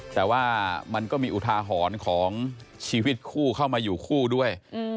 แต่ว่ามันก็มีอุทาหรณ์ของชีวิตคู่เข้ามาอยู่คู่ด้วย